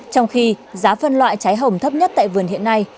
trong khi giá phân loại trái hồng thấp nhất tại vườn hiện nay